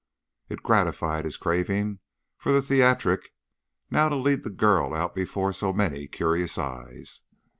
It gratified his craving for the theatric now to lead the girl out before so many curious eyes.